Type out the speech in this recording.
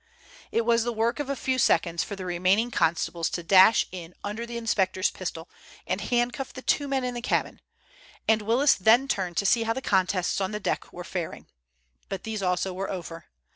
It was the work of a few seconds for the remaining constables to dash in under the inspector's pistol and handcuff the two men in the cabin, and Willis then turned to see how the contests on deck were faring. But these also were over.